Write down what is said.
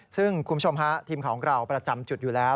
ซึ่งคุณผู้ชมฮะทีมของเราประจำจุดอยู่แล้ว